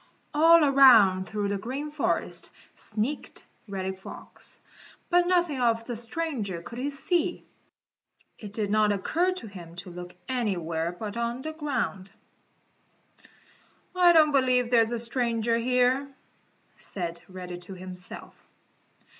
All around through the Green Forest sneaked Reddy Fox, but nothing of the stranger could he see. It didn't occur to him to look anywhere but on the ground. "I don't believe there is a stranger here," said Reddy to himself.